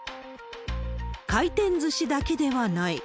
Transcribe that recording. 回転ずしだけではない。